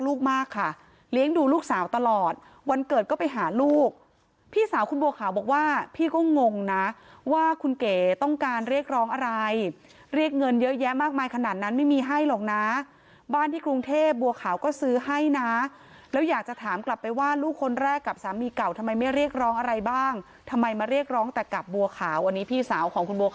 ลูกมากค่ะเลี้ยงดูลูกสาวตลอดวันเกิดก็ไปหาลูกพี่สาวคุณบัวขาวบอกว่าพี่ก็งงนะว่าคุณเก๋ต้องการเรียกร้องอะไรเรียกเงินเยอะแยะมากมายขนาดนั้นไม่มีให้หรอกนะบ้านที่กรุงเทพบัวขาวก็ซื้อให้นะแล้วอยากจะถามกลับไปว่าลูกคนแรกกับสามีเก่าทำไมไม่เรียกร้องอะไรบ้างทำไมมาเรียกร้องแต่กับบัวขาวอันนี้พี่สาวของคุณบัวค